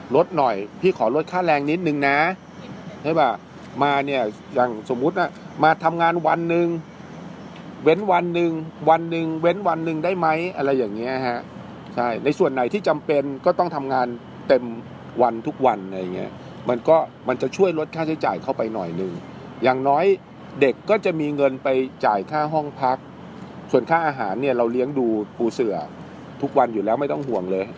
ลดหน่อยพี่ขอลดค่าแรงนิดนึงนะใช่ป่ะมาเนี่ยอย่างสมมุติว่ามาทำงานวันหนึ่งเว้นวันหนึ่งวันหนึ่งเว้นวันหนึ่งได้ไหมอะไรอย่างเงี้ยฮะใช่ในส่วนไหนที่จำเป็นก็ต้องทำงานเต็มวันทุกวันอะไรอย่างเงี้ยมันก็มันจะช่วยลดค่าใช้จ่ายเข้าไปหน่อยหนึ่งอย่างน้อยเด็กก็จะมีเงินไปจ่ายค่าห้องพักส่วนค่าอาหารเนี่ยเราเลี้ยงดูปูเสือทุกวันอยู่แล้วไม่ต้องห่วงเลย